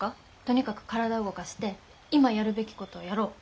とにかく体動かして今やるべきことをやろう。